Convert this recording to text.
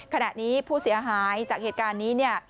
ขณะนี้ผู้เสียหายจากเหตุการณ์นี้เนี่ย